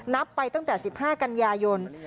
นับไปตั้งแต่๑๕กันยายน